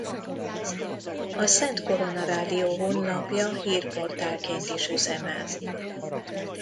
A Szent Korona Rádió honlapja hírportálként is üzemel.